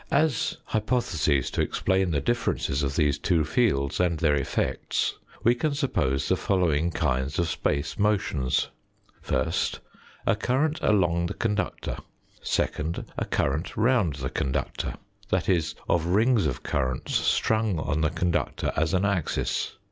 As hypotheses to explain the differences of these two fields and their effects we can suppose the following kinds of space motions : First, a current along the conductor ; second, a current round the conductor that is, of rings of currents strung on the conductor as an axis.